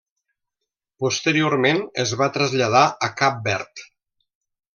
Posteriorment es va traslladar a Cap Verd.